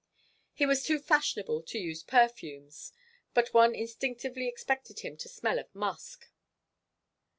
He was too fashionable to use perfumes, but one instinctively expected him to smell of musk.